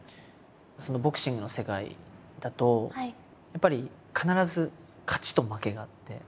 ボクシングの世界だとやっぱり必ず勝ちと負けがあって。